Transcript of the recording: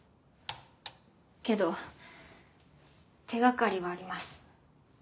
けど手掛かりはあります。